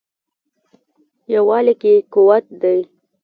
یووالي کې قوت دی.